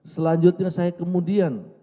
selanjutnya saya kemudian